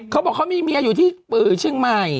เขาบอกเขามีเมียอยู่ที่เชียงใหม่